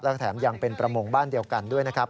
และแถมยังเป็นประมงบ้านเดียวกันด้วยนะครับ